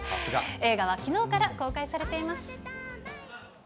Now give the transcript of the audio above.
映画はきのうから公開されています。